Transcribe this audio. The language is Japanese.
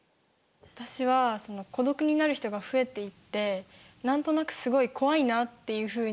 私はその孤独になる人が増えていってなんとなくすごい怖いなっていうふうに感じました。